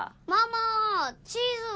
ママチーズは？